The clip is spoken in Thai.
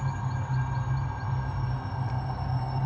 พี่ป๋องครับผมเคยไปที่บ้านผีคลั่งมาแล้ว